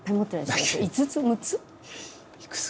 ５つ６つ？